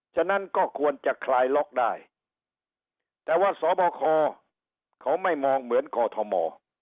ฉะนั้นก็ควรจะคลายล็อกได้แต่ว่าสบคเขาไม่มองเหมือนกอทม